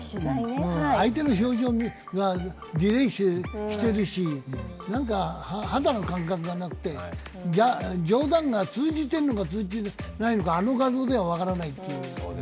相手の表情がディレイしてるし、なんか肌の感覚がなくて、冗談が通じているのか通じてないのか、あの画像では分からないっていう。